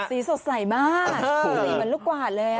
สีสดใสมากดูสีเหมือนลูกกวาดเลย